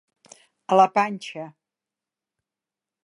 A la panxa.